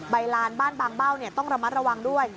ลานบ้านบางเบ้าต้องระมัดระวังด้วย